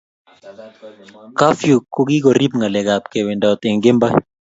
kafyu ko kigorib ngalek ab ke wendat eng kemboi